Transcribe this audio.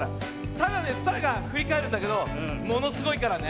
ただねスターがふりかえるんだけどものすごいからね。